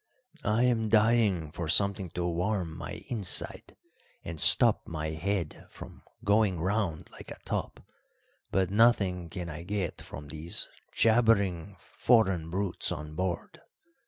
I am dying for something to warm my inside and stop my head from going round like a top, but nothing can I get from these jabbering foreign brutes on board."